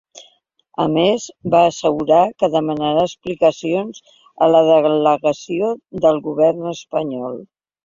A més, va assegurar que demanarà explicacions a la delegació del govern espanyol.